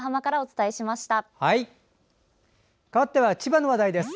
かわっては千葉の話題です。